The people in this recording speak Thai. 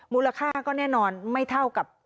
มูลค่าก็แน่นอนไม่เท่ากับ